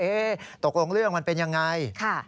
เอ๊ะตกลงเรื่องมันเป็นอย่างไร